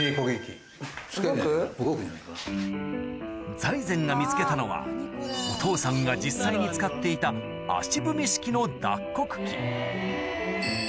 財前が見つけたのはお父さんが実際に使っていたあぁへぇ。